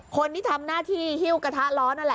คนที่ทำหน้าที่ฮิ้วกระทะร้อนนั่นแหละ